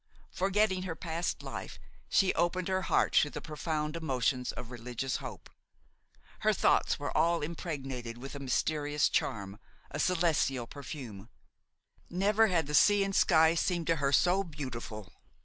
Forgetting her past life, she opened her heart to the profound emotions of religious hope. Her thoughts were all impregnated with a mysterious charm, a celestial perfume. Never had the sea and sky seemed to her so beautiful.